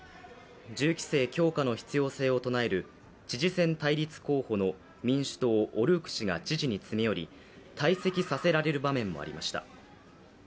銃規制強化の必要性を唱える知事選対立候補の民主党・オルーク氏が知事に詰め寄り退席させられる場面もありました。